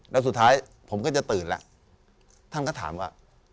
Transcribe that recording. แล้วสุดท้ายผมก็จะตื่นแล้วท่านก็ถามว่า